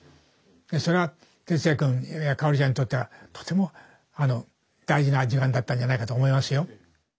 それは鉄矢君やかおりちゃんにとってはとても大事な時間だったんじゃないかと思いますよ。